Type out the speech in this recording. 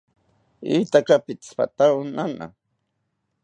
Piataki pitzipatawo nana